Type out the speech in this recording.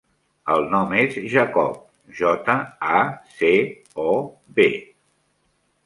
El nom és Jacob: jota, a, ce, o, be.